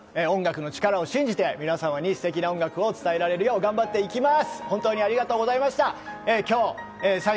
これからも音楽の力を信じて皆さんにステキな音楽を伝えられるよう頑張っていきます。